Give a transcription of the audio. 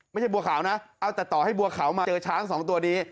บัวขาวนะเอาแต่ต่อให้บัวขาวมาเจอช้างสองตัวนี้